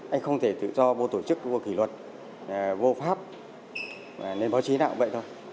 anh không thể tự do vô tổ chức vô kỷ luật vô pháp lên báo chí nào vậy thôi